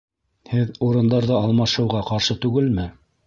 Һеҙ урындарҙы алмашыуға ҡаршы түгелме?